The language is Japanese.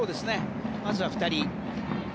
まずは２人。